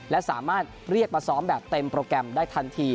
และสามารถเรียกมาซ้อมแบบเต็มโปรแกรมได้ทันที